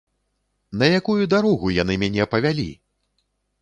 На якую дарогу яны мяне павялі!